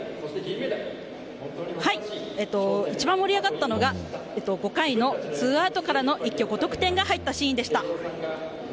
はい、一番盛り上がったのが５回ツーアウトからの一挙５得点が入ったシーンでした。